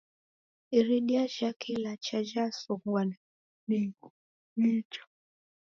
Iridia jhake ilacha jhasongwa ning'icha.